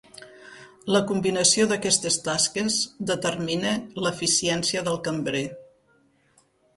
La combinació d'aquestes tasques determina l'eficiència del cambrer.